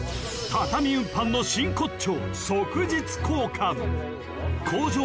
［畳運搬の真骨頂！］